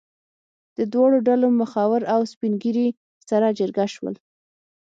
د دواړو ډلو مخور او سپین ږیري سره جرګه شول.